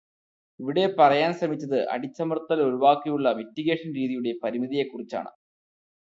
ഇവിടെ പറയാൻ ശ്രമിച്ചത് അടിച്ചമർത്തൽ ഒഴിവാക്കിയുള്ള മിറ്റിഗേഷൻ രീതികളുടെ പരിമിതിയെകുറിച്ചാണ്.